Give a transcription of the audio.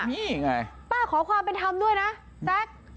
นี่ยังไงป้าขอขอความเป็นทำด้วยนะแซค